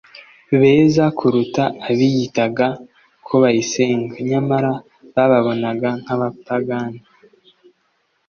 beza kuruta abiyita.ga ko bayisenga; nyamara bababonaga nk'abapagani.